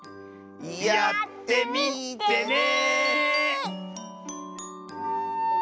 やってみてね！